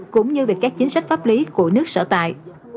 cũng như về các chính sách pháp lý của nước sở tại